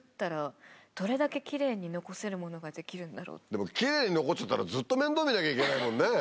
でも奇麗に残っちゃったらずっと面倒見なきゃいけないもんね。